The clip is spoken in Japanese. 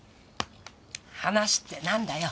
話ってなんだよ？